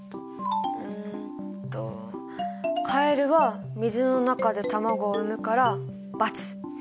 うんとカエルは水の中で卵を産むから×。